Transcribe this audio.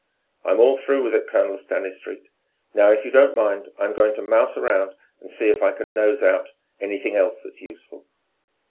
"I'm all through with it, Colonel Stanistreet. Now, if you don't mind, I'm going to mouse around and see if I can nose out anything else that's useful."